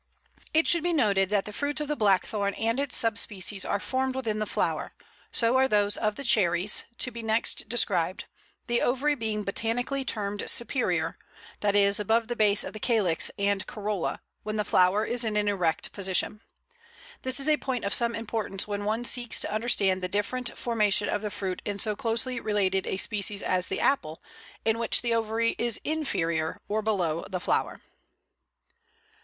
It should be noted that the fruits of the Blackthorn and its sub species are formed within the flower; so are those of the Cherries, to be next described, the ovary being botanically termed "superior," that is, above the base of the calyx and corolla, when the flower is in an erect position. This is a point of some importance when one seeks to understand the different formation of the fruit in so closely related a species as the Apple, in which the ovary is "inferior," or below the flower.